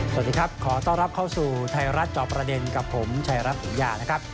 สวัสดีครับขอต้อนรับเข้าสู่ไทยรัฐจอบประเด็นกับผมชายรัฐถมยานะครับ